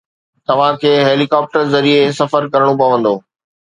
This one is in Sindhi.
توهان کي هيلي ڪاپٽر ذريعي سفر ڪرڻو پوندو.